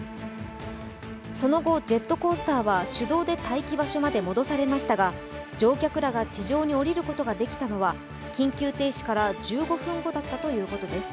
その後、ジェットコースターは手動で待機場所まで戻されましたが乗客らが地上に降りることができたのは緊急停止から１５分後だったということです。